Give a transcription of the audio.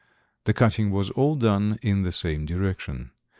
The cutting was all done in the same direction.